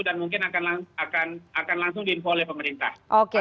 dan mungkin akan langsung diinfo oleh pemerintah